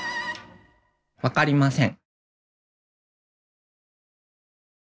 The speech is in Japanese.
分かりません。